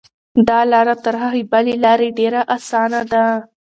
دا لاره تر هغې بلې لارې ډېره اسانه ده.